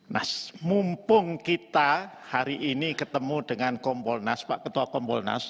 nah mumpung kita hari ini ketemu dengan kompolnas pak ketua kompolnas